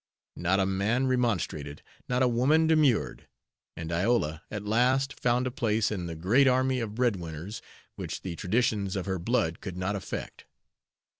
Not a man remonstrated, not a woman demurred; and Iola at last found a place in the great army of bread winners, which the traditions of her blood could not affect.